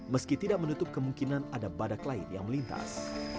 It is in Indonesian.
meski tidak menutup kemungkinan ada badak lain yang melintas